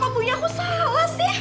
kok punya aku salah sih